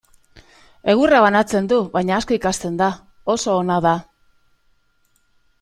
Egurra banatzen du, baina asko ikasten da, oso ona da.